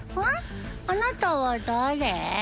あなたは誰？